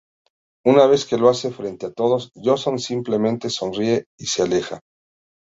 Una vez que lo hace frente a todos, Johnson simplemente sonríe y se aleja.